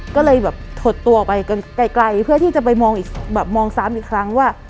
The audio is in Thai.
ก็เลยแบบถดตัวไปไกลเพื่อที่จะไปมองซ้ำอีกครั้งว่า